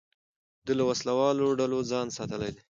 ده له وسلهوالو ډلو ځان ساتلی دی.